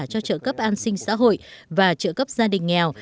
cho trợ cấp an sinh xã hội và trợ cấp gia đình nghèo